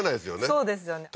そうですよね